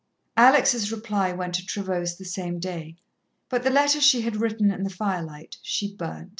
Alex' reply went to Trevose the same day, but the letter she had written in the firelight, she burnt.